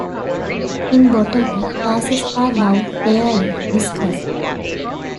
In botany, classes are now rarely discussed.